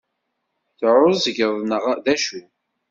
Teεεuẓgeḍ neɣ d acu?